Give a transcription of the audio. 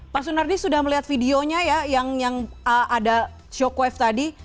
pak sunardi sudah melihat videonya ya yang ada shock weve tadi